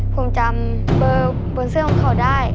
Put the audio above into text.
ผมจำเบอร์บนเสื้อของเขาได้